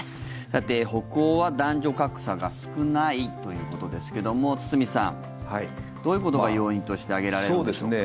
さて、北欧は男女格差が少ないということですけども堤さんどういうことが要因として挙げられるんでしょうか。